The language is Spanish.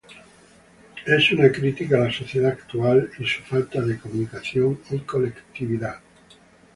Es una crítica a la sociedad actual y su falta de comunicación y colectividad.